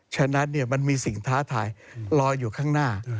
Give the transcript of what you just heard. ฉะนั้นมันมีสิ่งท้าทายลอยอยู่ข้างหน้า